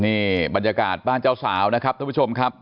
นี่บรรยากาศบ้านเจ้าสาวนะครับท่านผู้ชมครับ